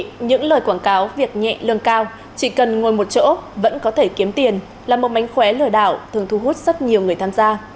vì vậy những lời quảng cáo việc nhẹ lương cao chỉ cần ngồi một chỗ vẫn có thể kiếm tiền là một mánh khóe lừa đảo thường thu hút rất nhiều người tham gia